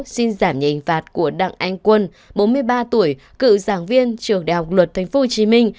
xin giảm nhìn phạt của đặng anh quân bốn mươi ba tuổi cựu giảng viên trường đại học luật thánh phú hồ chí minh